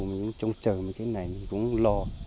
mình trông chờ mấy cái này mình cũng lo